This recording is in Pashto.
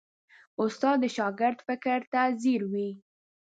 استاد د شاګرد فکر ته ځیر وي.